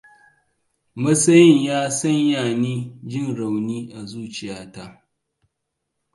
Matsayin ya sanya ni jin rauni a zuciya ta.